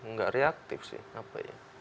nggak reaktif sih